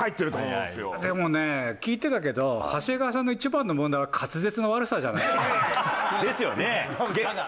でもね、聞いてたけど、長谷川さんの一番の問題は滑舌の悪さじゃないかな。